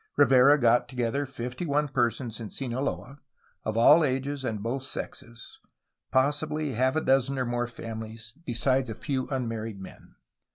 Rivera got to gether fifty one persons in Sinaloa, of all ages and both sexes, — possibly half a dozen or more families, besides a few unmarried men.